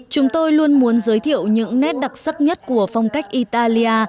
chúng tôi luôn muốn giới thiệu những nét đặc sắc nhất của phong cách italia